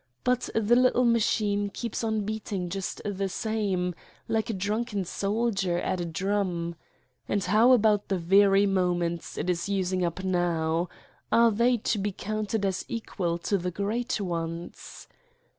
But the little machine keeps on beat ing just the same, like a drunken soldier at a drum. And how about the very moments it is using up now. Are they to be counted as equal to the great ones?